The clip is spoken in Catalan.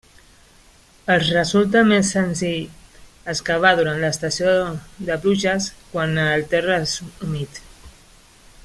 Els resulta més senzill excavar durant l'estació de pluges, quan el terra és humit.